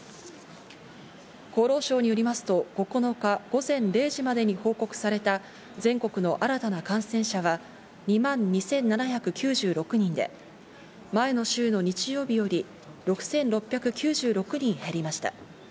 厚労省によりますと、９日午前０時までに報告された全国の新たな感染者は２万２７９６人で、前の週の日曜日より６６９６人減りました。